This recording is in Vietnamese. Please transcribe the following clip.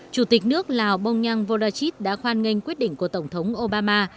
chủ tịch nước lào bông nhăng volachit đã khoan nghênh quyết định của tổng thống obama